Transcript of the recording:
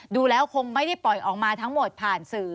ดูแล้วคงไม่ได้ปล่อยออกมาทั้งหมดผ่านสื่อ